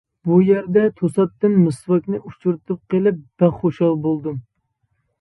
بۇ يەردە توساتتىن مىسۋاكنى ئۇچرىتىپ قېلىپ بەك خۇشال بولدۇم.